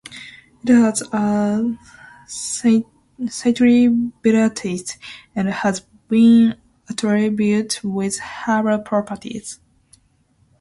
It has a slightly bitter taste and has been attributed with herbal properties.